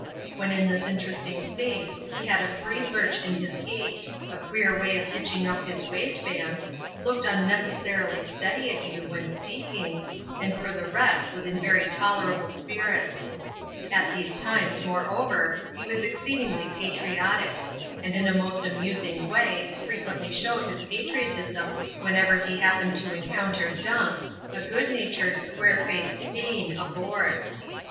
When in this interesting state, he had a free lurch in his gait, a queer way of hitching up his waistbands^ looked unnecessarily steady at you when speaking, and for the rest, was in very \.c\fcx^\<i «^Yc\\a» At CHAP. XV.] CHIPS AND BUNGS. tf these times, moreover, he was exceedingly patriotic ; and in a most amusing way, frequently showed his patriotism whenever he happened to encounter Dunk, a good natured, square faced Dane, aboard.